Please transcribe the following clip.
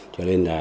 cho nên là